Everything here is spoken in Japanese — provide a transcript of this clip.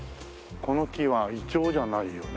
この木はイチョウじゃないよね？